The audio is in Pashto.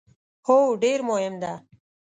هو، ډیر مهم ده